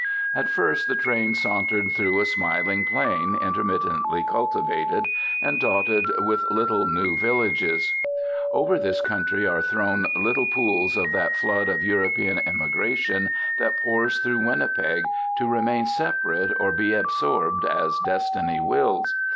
At first the train sauntered through a smiling plain, intermittently cultivated, and dotted with little new villages. Over this country are thrown little pools of that flood of European immigration that pours through Winnipeg, to remain separate or be absorbed, as destiny wills.